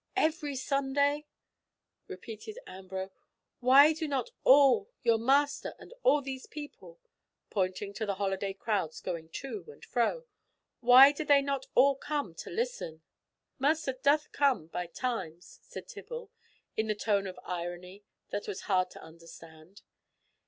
"Every Sunday!" repeated Ambrose. "Why do not all—your master and all these," pointing to the holiday crowds going to and fro—"why do they not all come to listen?" "Master doth come by times," said Tibble, in the tone of irony that was hard to understand.